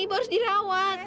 ibu harus dirawat